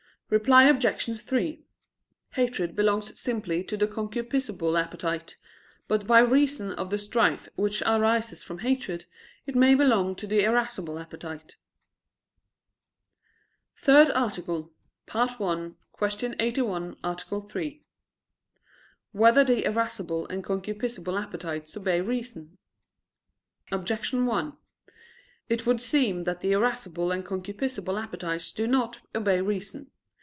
Reply Obj. 3: Hatred belongs simply to the concupiscible appetite: but by reason of the strife which arises from hatred, it may belong to the irascible appetite. _______________________ THIRD ARTICLE [I, Q. 81, Art. 3] Whether the irascible and concupiscible appetites obey reason? Objection 1: It would seem that the irascible and concupiscible appetites do not obey reason.